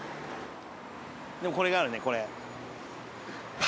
でもこれがあるねこれ。